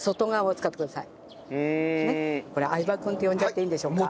相葉君と呼んじゃっていいんでしょうか？